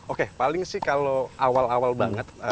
oke paling sih kalau awal awal banget